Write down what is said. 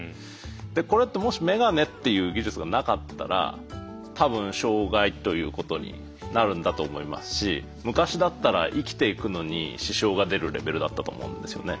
でこれってもし眼鏡っていう技術がなかったら多分障害ということになるんだと思いますし昔だったら生きていくのに支障が出るレベルだったと思うんですよね。